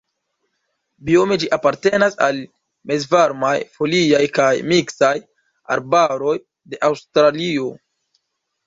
Biome ĝi apartenas al mezvarmaj foliaj kaj miksaj arbaroj de Aŭstralio.